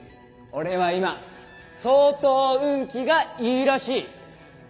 俺は今相当運気がいいらしい。